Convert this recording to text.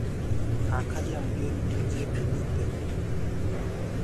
Akaja mgeni, uje unyite